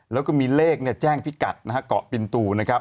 แล้วก็มีเลขแจ้งพิกัดนะฮะเกาะปินตูนะครับ